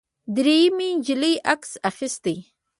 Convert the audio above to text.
درېیمې نجلۍ عکس اخیست.